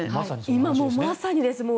今、まさにです。